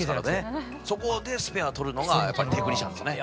そこでスペアを取るのがやっぱりテクニシャンですね。